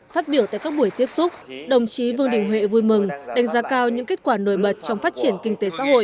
phát biểu tại các buổi tiếp xúc đồng chí vương đình huệ vui mừng đánh giá cao những kết quả nổi bật trong phát triển kinh tế xã hội